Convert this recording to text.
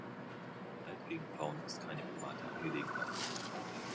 Gewalt gegen Frauen ist keine private Angelegenheit.